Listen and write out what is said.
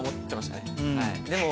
でも。